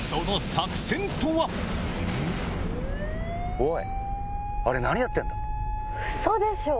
おい！